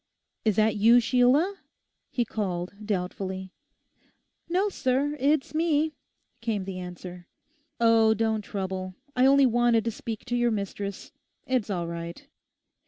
'Is that you, Sheila?' he called, doubtfully. 'No, sir, it's me,' came the answer. 'Oh, don't trouble; I only wanted to speak to your mistress. It's all right.